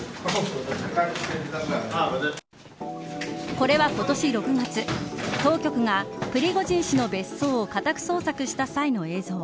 これは今年６月当局がプリゴジン氏の別荘を家宅捜索した際の映像。